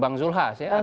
bang zulhas ya